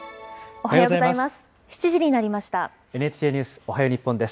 おはようございます。